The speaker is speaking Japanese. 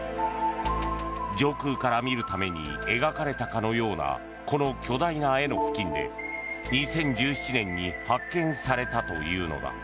上空から見るために描かれたかのようなこの巨大な絵の付近で２０１７年に発見されたというのだ。